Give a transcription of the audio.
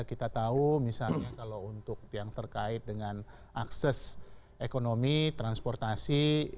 kita tahu misalnya kalau untuk yang terkait dengan akses ekonomi transportasi